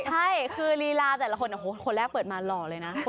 ใช่คือลีลาแต่ละคนคนแรกเปิดมาหล่อเลยนะ